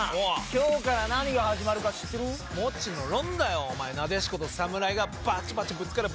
今日から何が始まるか知ってる？